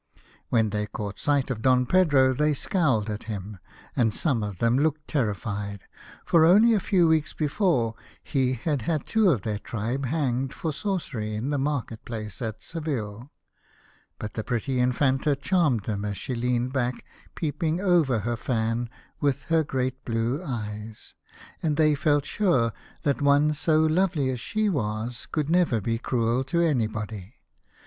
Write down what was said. When they caught sight of Don Pedro they scowled at him, and some of them looked terrified, for only a few weeks before he had had two of their tribe hanged for sorcery in the market place at Seville, but the pretty Infanta charmed them as she leaned back peeping over her fan with her great blue eyes, and they felt sure that one so lovely as she was could never be cruel to anybody.